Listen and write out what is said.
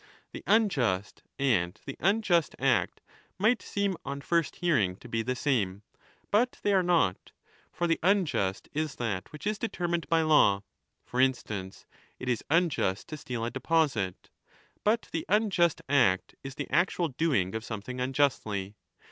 ' The unjust and the unjust act might seem on first hearing to be the same, but they are not. For the unjust is that which is determined by law ; for instance, it is 10 unjust to steal a deposit, but the unjust act is the actual doing of something unjustly.